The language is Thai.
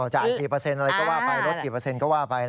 จ่ายกี่เปอร์เซ็นต์อะไรก็ว่าไปลดกี่เปอร์เซ็นต์ก็ว่าไป